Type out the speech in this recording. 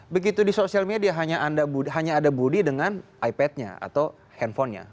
begitu di sosial media hanya ada budi dengan ipadnya atau handphonenya